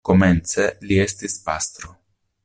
Komence li estis pastro.